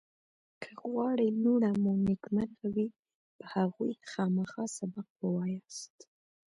که غواړئ لوڼه مو نېکمرغ وي په هغوی خامخا سبق ووایاست